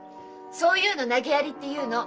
そういうのなげやりって言うの！